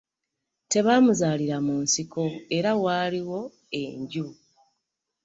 Tebaamuzaalira mu nsiko era waaliwo enju.